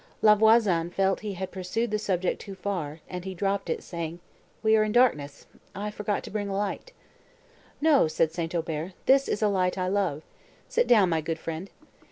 La Voisin felt that he had pursued the subject too far, and he dropped it, saying, "We are in darkness, I forgot to bring a light." "No," said St. Aubert, "this is a light I love. Sit down, my good friend.